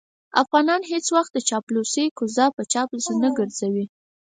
افغانان هېڅ وخت د چاپلوسۍ کوزه په چا پسې نه ګرځوي.